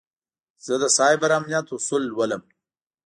زه د سایبر امنیت اصول لولم.